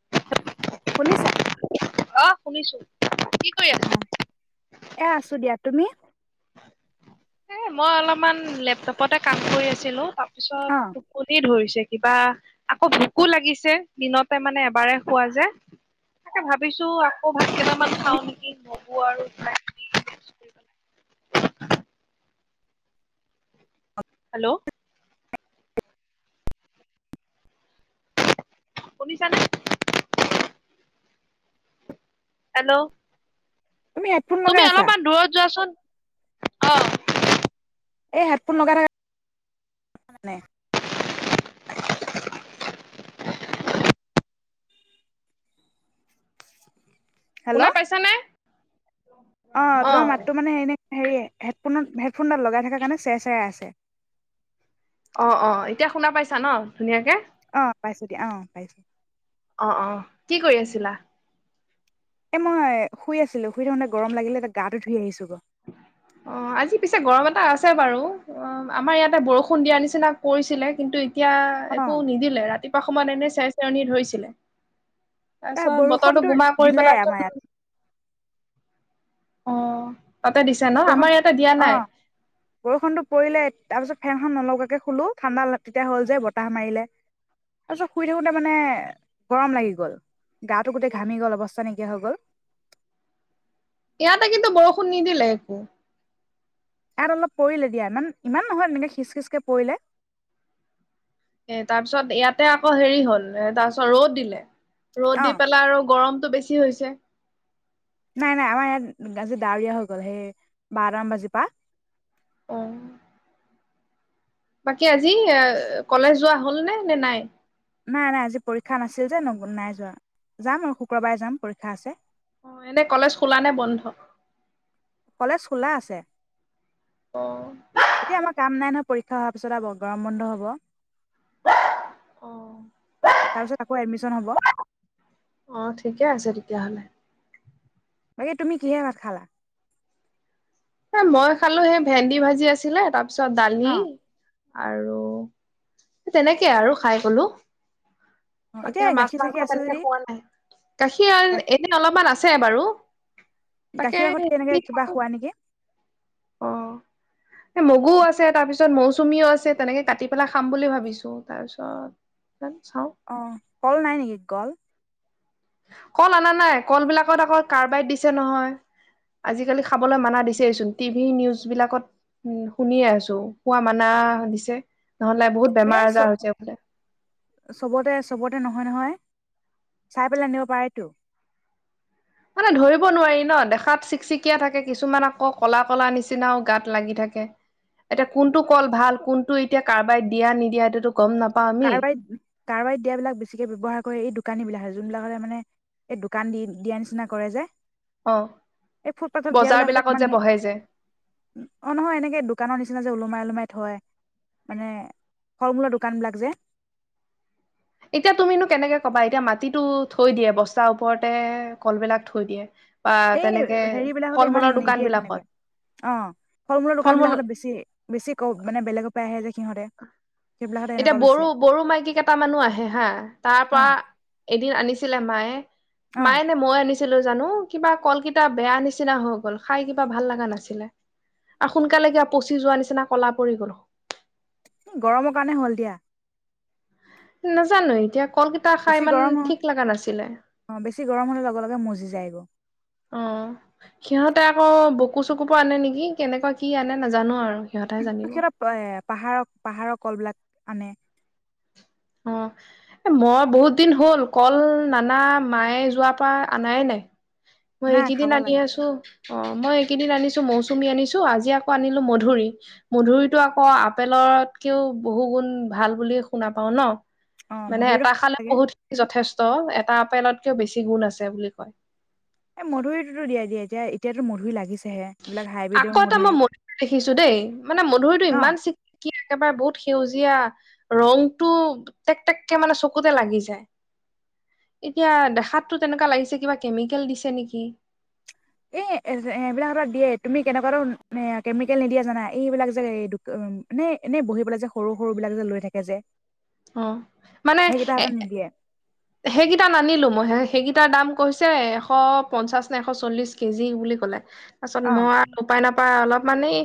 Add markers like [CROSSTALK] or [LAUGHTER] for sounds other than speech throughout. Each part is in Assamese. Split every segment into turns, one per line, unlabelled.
[INAUDIBLE]
শুনিছা
অ শুনিছো কি কৰি
অ
আছা?
এ আছো দিয়া তুমি
এ মই অলপমান লেপটপতে কাম কৰি আছিলো তাৰ
অ'।
পিছত টোপনি ধৰিছে কিবা আকৌ ভোকো লাগিছে দিনতে মানে এবাৰে খোৱা যে তাকে ভাবিছো আকৌ ভাত কেইটামান খাও নেকি নব আৰু হেল্ল' শুনিছানে হেল্ল'
তুমি হেডফোন লগাই আছা
আহ
এই হেডফোন লগাই মানে হেল্ল'?
কোনা পাইছ নে
অ তোমাৰ মাতটো মানে সনে হেৰিয় হেডফোনত হেডফোনডাল লগাই থকাৰ কাৰণে চেৰ চেৰা আছে
অ অ এতিয়া শুনা পাইছা ন ধুনীয়াকে
অ পাইছো দিয়া অ পাইছো
অ অ কি কৰি আছিলা
এ মই শুই আছিলো শুই থাকোঁতে গৰম লাগিলে এটা গাটো ধুই আহিছো গ
অ আজি পিছে গৰম এটা আছে বাৰু অ আমাৰ ইয়াতে বৰষুণ দিয়া নিচিনা কৰিছিলে কিন্তু এতিয়া একো
অ'
নিদিলে ৰাতিপুৱা সমান এনে চাই চৰণি ধৰিছিলে
এ
তাৰপিছত বতৰটো
বৰষুণতো
বোমা কৰি
দিলে
পেলাৰত
আমাৰ ইয়াত।
অ তাতে দিছে ন আমাৰ
বৰষুণ
ইয়াতে দিয়া
অ
নাই
বৰষুণতটো পৰিলে তাৰ পিছত ফেনখন নলাকে খুলো ঠাণ্ডা তেতিয়া হ'ল যে বতাহ মাৰিলে তাৰ পিছত শুই থাকোতে মানে গৰম লাগি গল গাটো গোটেই ঘামি গল অৱস্থা নাইকিয়া হৈ গল
ইয়াতে কিন্তু বৰষুণ নিদিলে একো
ইয়াত অলপ পৰিলে দিয়া ইমান ইমান নহয় এনেকে খিচ খিচকে পৰিলে
এ তাৰ পিছত ইয়াতে আকৌ হেৰি হল এ তাৰ পিছত ৰ'দ দিলে ৰ'দ
অ
দি পেলাই আৰু গৰম বেছি হৈছে
নাই নাই আমাৰ ইয়াত আজি ডাৱৰীয়া হৈ গল সেই বাৰট মান বাজিৰ পা
অ বাকী আজি এ কলেজ যোৱা হ'ল নে নে নাই
নাই নাই আজি পৰীক্ষা নাছিল যে ন নাই যোৱা যাম আৰু শুক্ৰবাৰে যাম পৰীক্ষা আছে
অ এনে কলেজ খোলা নে বন্ধ
কলেজ খোলা আছে
অ
এতিয়া আমাৰ কাম নাই ন পৰীক্ষা হোৱাৰ পিছত আৰু গৰম বন্ধ হ'ব
অ
তাৰ পিছত আকৌ এডমিশ্যন হ'ব
আহ ঠিকে আছে তেতিয়াহলে
বাকে তুমি কিহে ভাত খালা
এ মই খালো সেই ভেন্দি ভাজি আছিলে তাত ত চ ডালি
অ
আৰু তেনেকে আৰু খাই কলো
অ
বাকী
এতিয়া
আৰু মাছ
গাখীৰ
মাংস
চাখীৰ আছে
তেনেকে
যদি
খোৱা নাই গাখীৰ এনে অলপমান আছে আছে বাৰু তাকে
গাখীৰৰ সতে
কি
এনেকে কিবা
খাওঁ
খোৱা নেকি
অ এই মগু আছে তাৰপিছত মৌচ চুমিও আছে তেনেকে কাটি পেলাই খাম বুলি ভাবিছো তাৰ পিছত
অ কল নাই নেকি গল
কল অনা নাই কল বিলাকত আক কাৰ্বাইড দিছে নহয় আজিকালি খাবলৈ মানা দিছেহিচোন টিভিি নিউজ বিলাকত উ শুনিয়ে আছো শোৱা মানা দিছে নহলে বহুত
এ
বেমাৰ
চ
আজাৰ হৈছেফোলে
চবতে চবতে নহয় নহয় চাই পেলাই আনিব পাৰেতো
মানে ধৰিব নোৱাৰি ন দেখাত চিকচিকিয় থাকে কিছুমান আকৌ কলা কলা নিচিনাও গাত লাগি থাকে এতিয়া কোনটো কল ভাল কোনটো এতিয়া কাৰোবাই দিয়া নিদিয়া সটোতো
কাৰবাৰ কাৰবাৰত দিয়াবলাক বেছিকে ব্যৱহাৰ কৰে এই দু দোকানী বিলাক হয় যোনবিলাকলে মানে এই দোকান দি দিয়া নিচিনা কৰে যোয়
অ
এই ফুটপাথত
বজাৰ
দিয়াবলাক
বিলাকত
ইমান
যে বহে যে
অ নহয় এনেকে দোকানৰ নিচিনা যে ওলো ম যে
এতিয়া তুমিনো কেনেকে কবা এতিয়া মাটিতটো থৈ দিয়ে বস্তাৰ ওপৰতে কলবিলাক থৈ দিয়ে বা
এই
তেনেকে
হেৰি বিলাকত
ফল
ইমান
মূলৰ দোকান
নিদিয়ে
বিলাকত
তেনেকুৱে অ ফল মূলৰ দোকান বিলাকত বেছি বেছি ক মানে বেলেগৰ পৰা আহে যায়
এতিয়া বড়ো বড়ো মাইকী কেইটা মানুহ আহে হা তাৰ
অ
পৰা এদিন আনিছিলে মায়ে
অ
মায়ে নে মই আনিছিল ছিলো জানো কিবা কলকেইটা বেয়া নিচিনা হৈ গল খাই কিবা ভাল লগা নাছিলে আৰু সোনকালে কিয়া পচি যোৱা নিচিনা কলা পৰি গ'ল
গৰমৰ কাৰণে হ'ল দিয়া
নাজানো এতিয়া
বেছি গৰম হ অ বেছি গৰম হ'লে লগে লগে মজি যায়গৈ
[INAUDIBLE] তাতে আকৌ বকু চকুৰ পৰা আনে নেকি কেনেকুৱা কি আনে নাজানো আৰু সিহঁতেহে জানিব
সিহঁতৰ এ পাহাৰৰ পাহাৰৰ কল বিিলাক আনে
অঁ, এ মই বহুত দিন হ'ল কল নানা মায়ে যোৱাৰ পৰা অননায় নাই। মই
নাই
এইকেইদিন
খাব
আনি
লাগে
আছো। অঁ, মই এইকেইদিন আনিছো মৌচুমী আনিছো আজি আকৌ আনিলো মধুৰি, মধুৰিতটো আকৌ আপেলতকেও বহু গুণ ভাল বুলি শুনা পা ন [UNINTELLIGIBLE]
অ
মানে
মধুৰিটো
এটা
খাব
খালে
লাগে
বহুতিনি যথেষ্ট ত এটা আপেলতকেও বেছি গুণ আছে বুলি কয়।
এ' মধুৰিটোতো দিয়া দিয়া যে এতিাতো মধু লাগিছে
আকৌ এটা মই মধুুৰ দেখিছো দেই, মানে মধুুৰীতটো
ন
ইমান চিক একেবাৰে বহুত সেউজীয়া, ৰংটো টেক টেককে মানে চকুতে লাগি যায়, এতিয়া দেখাতটো তেনেকুৱা লাগিছে কিবা কেমিকেল দিছে নেকি।
এ এইবিলাক দিয়ে, তুমি কেনেকুৱাাতো কেমিকেল নিদিয়া জানা, এইবিলাক যে, এে এনেই বহি পেলাই যে সৰু সৰু বিলাক যে লৈ থাকে যে।
অঁ, মানে
সেইকেইটা
এ
হাতত নিদিয়ে
সেইকেইটাাত নানিলো মই, সেইকেইটাৰ দাম কৈছে এশ পঞ্চাশ নে এশ চল্লিশ কেজি বুলি কলে পাছত
অ
মই উপায় নাপ অলপমানানেই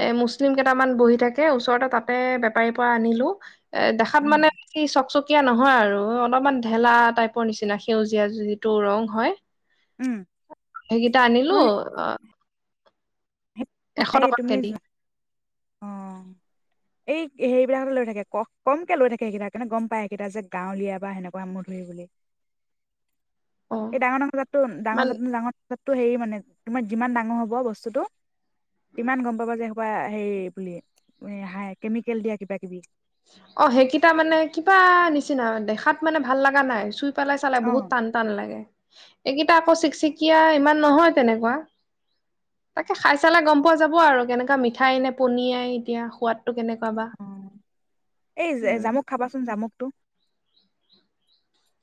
এ' মুছলিম কেইটামান বহি থাকে, ওচৰতে তাতে বেপাৰীৰ পৰা আনিলো এ দেখাত
উম
মানে [UNINTELLIGIBLE] বেি চক চক এয়া নহয় আৰু, অলপমান ঢেলা টাইপৰ নিচিনা, সেউজীয়া যিটো ৰং হয়
উম
সেইকেইটা আনিলো,
নহয়
আহ
এই তুমিোৱা, অঁ এই হেৰিবলাকতে লৈ থাকে, ক কমকে লৈ থাকে সকেইটাৰ কাৰণে গম পায় সকেইটা যে গাওলিয় বা সেনেকুৱা মোৰ ধৰি বুলি।
অ
এই ডাঙৰ ডাঙৰ জাতটো, ডাঙৰ
মান
জাত ন ডাঙৰ টো হেৰি মানে তোমাৰ যিমান ডাঙৰ হ'ব বস্তুতটো কিমান গম পাবা যে, সোপা হে বুলি, হ কেমিকেল দিয়া কিবা কিবি।
অঁ সেইকেইটা মানে কিবা নিচিনা, দেখাত মানে ভাল লগা নাই, চুই পেলাই চালে
অ
বহুত টান টান লাগে। এইকেইটা আকৌ চিকচিকীয়া ইমান নহয় তেনেকুৱা, তাকে খাই চালে গম পোৱা যাব আৰু কেনেকুৱা মিঠাই নে পনিয় এতিয়া, সোৱাদ টো কেনেকুৱা বা!
এই
উম
জামুক খাবাচোন তামুকটো [UNINTELLIGIBLE]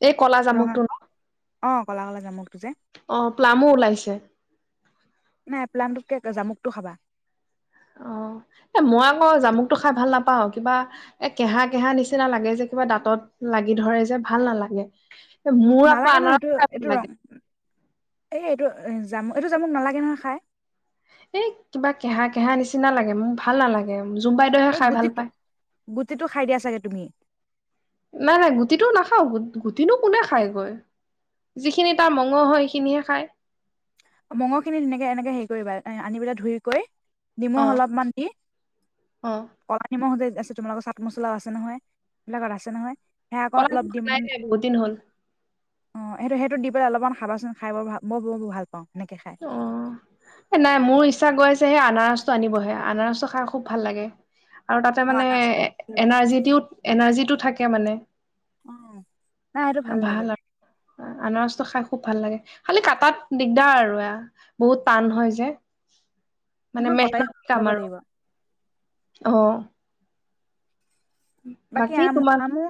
এই কলা জামুকটো ন?
অঁ, কল কলে যাম
অঁ, প্লামো ওলাইছে।
নাই প্লানটোতকে জামুকটো খাবা।
অঁ, এ মই আকৌ জামুকতটো খাই ভাল নাপাও, কিবা এ কেহা কেহা নিচিনা লাগে যে কিবা দাঁতত লাগি ধৰে যে, ভাল নালাগে। মোৰ আকৌ
নালাগে
আন
নহয় এইটো
লাগে
যাম এইটো যামোক নালাগে নহয় খাই
এ কিবা কেহা কেহা নিচিনা লাগে মোক ভাল নালাগে জুম বাইদেউহে
এই
খাই ভাল
গুটিটো
পায়
গুটিটো খাই দিয়া চাগে তুমি
নাই নাই গুটিটোও নাখাওুট গুটিনো কোনে খায়গৈ যিখিনি তাৰ মঙ হয় সেইখিনিহে খায়
মগ খিনি তেনেকে এনেকে হেৰি কৰিবা এ আনি পেলাই ধুই কৰিৈ
অ
নিমখ অলপমান দি
অ
কলা নিমখ য আছে তোমালোকৰ চাট মছলাও আছে নহয় এইবিলাকত আছে নহয় সেয়া আকৌ
কল
অলপ দিম
নাই নাই বহুত দিন হ'ল
অ সেইটো সেইটোত দি পেলাই অলপমান খাবাচোন খাই ব ভ মই ব ভাল পাওঁ সেনেকে খাই
অ এ নাই মোৰ ছা গৈাইছেহে আনাৰসটো আনিবহে আনাৰস্তটো খাই খুব ভাল লাগে আৰু তাতে
অ
মানে
আনাৰসটো
এনাৰ্জি দিও এনাৰ্জিটো থাকে মানে
উ নাই আৰুটো ভাল লাগে
আনাৰসটো খাই খুব ভাল লাগে খালি কাটাত দিগদাৰ আৰু এ বহুত টান হয় যে মানে
এখন কটাৰী
মেহনত
ল'ব
কামাৰ
লাগিব
আহ বাকী
আম
তোমাৰ
আমো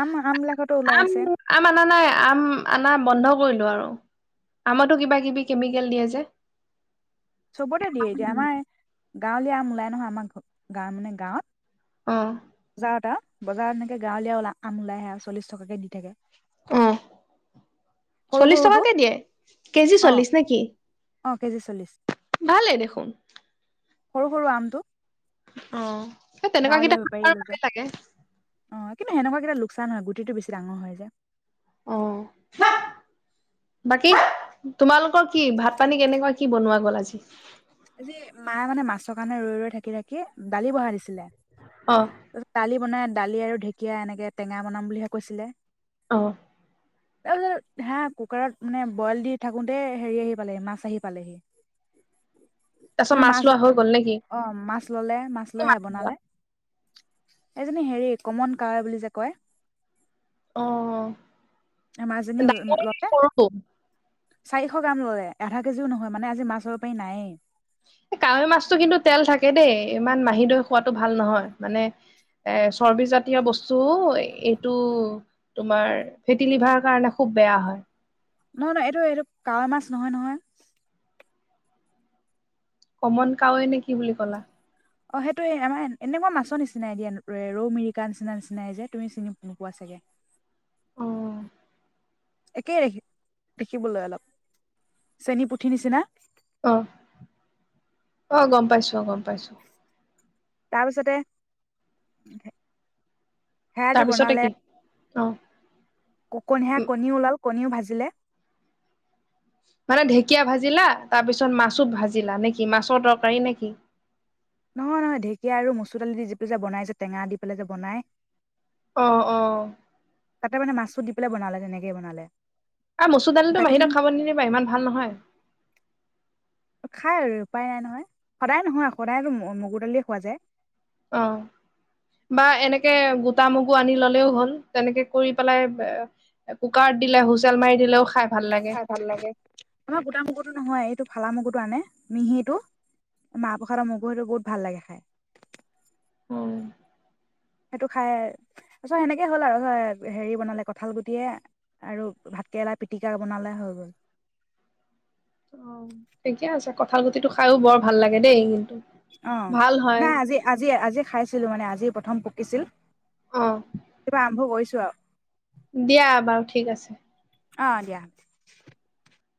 আম আম বিলাকতো ওলাই
আম
আছে
আম অনা নাই আম আ বন্ধ কৰিলো আৰু আমো কিবা কি কেমিকেল দিয়ে যে
চবতে দিয়ে দিয়া আমাৰ গাঁৱলীয়া আম ওলাই নহয় আমাৰ গাঁৱ মানে
অ',
গাঁৱত যাাৱ তা বজাৰত এনেকে গাঁৱলীয়াও আ ওলাই আহে আৰুলিশ টকাকে দি থাকে
অ
সৰু
চল্লিশ
সৰুটো
টকাকে দিয়ে কেজি
অ
চল্লিশ নেকি
অ কেজি চল্লিশ
ভালে দেখোন
সৰু সৰু আমটো
অ সেই
গাঁৱলীয়া
তেনেকুৱাাকেইটা
বেপাৰী লৈ
আৰু
যোৱা
ভে চাগে
অ কিন্তু সেনেকুৱা কেইটা লোকচান হয় গুটিটোেছি ডাঙৰ হয় যে
অ বাকী তোমালোকৰ কি ভাত পানী কেনেকুৱা কি বনোৱা গল আজি
আজি মায়ে মানে মাছৰ কাৰণে ৰৈ ৰৈ থাকি থাকি দালি বহাই দিছিলে
অ
ত তালি বনাই দালি আৰু ঢেকীয়া এনেকে টেঙা বনাম বুলিহে কৈছিলে
অ
তাৰপিছত হা কুকাৰত মানে বইল দি থাকোতে হেৰি আহি পালেহি মাছ আহি পালেহি।
তাৰপিছত
তাৰত
মাছ লোৱা হৈ গ'ল নেকি?
মাছ অ মাছ ললে মাছ লৈহে বনালে। এজনী হেৰি কমন কাৱৈ বুলি যে কয়।
অহ,
আমাৰজনী ললে। চাৰিশ গ্ৰাম ললে আধা কেজিও নহয় মানে আজি মাছৰ বেপাৰী নায়েই।
তাকে দেই ইমান মাহিদৈ খোৱাটো ভাল নহয়, মানে এ চৰ্বিজাতীয় বস্তুও এইটো তোমাৰ ফেটি লিভাৰ কাৰণে খুব বেয়া হয়।
নহয়-নহয় এইটো এইটো কাৱৈ মাছ নহয়-নহয়।
কমন কাৱৈ নে কি বুলি কলা?
অ' সেইটোোৱে আমাৰ এনেকুৱা মাছৰ নিচিনাই দিয়া ৰৌ মিৰিকা নিচিনা নিচিনাই যে তুমি চিনি নোপোৱা চাগে।
অ
একেই দেখি দেখিবলৈ অলপ চেনী পুঠি নিচিনা।
অ' অহ গম পাইছো অ' গম পাইছো।
তাৰপিছতে সেৰা দি
তাৰপিছতে
বনালে
কি অ
ক কণ সে কণীও ওলাল কণীও ভাজিলে।
মানে ঢেকীয়া ভাজিলা তাৰ পিছত মাছো ভাজিলা নেকি মাছৰ তৰকাৰী নেকি?
নহয়-নহয় ঢেঁকীয়া আৰু মচুৰ দালি দি যি পি যে বনাই যে টেঙা দি পেলাই যে বনাই।
অহ-অহ।
চ দি পেলাই বনালে তেনেকে বনালে।
আৰু মচুৰ দালিটো মাহী
দালিখিনি
হতক খাব নিদিবা ইমান ভাল নহয়।
খাই আৰু উপায় নাই নহয় সদায় নহয় সদায়ো মগুৰ দালিয়ে খোৱা যায়।
অ' বা এনেকে গোটা মগু আনি ললেও হ'ল। তেনেকে কৰি পেলাই কুকাৰত দিলে হুচেল মাৰি দিলেও খাই। ভাল লাগে
খাই ভাল লাগে আমাৰ গোট মুগুতো নহয় এইটো। ফালা মগু টো আনে মিহিটো মাহ প্ৰসাদৰ মগু সেইটো বহুত ভাল লাগে খাই।
অ,
সেইটো খাই সেনেকেই হ'ল আৰু হেৰি বনালে কঠাল গুটিয়ে আৰু ভাতকেৰেলা পিটিকা বনালে হৈ গ'ল।
অ, থিকে আছে কঠাল গুটিটো খাযো বৰ ভাল লাগে দেই।
অ'
ভাল হয়
নাই আজি-আজি-আজি খাইছো। ছিলো মানে আজি প্ৰথম পকিছিল।
অ
ত আৰম্ভ কৰি চো আৰু
দিয়া বাৰু ঠিক আছে।
অ দিয়া।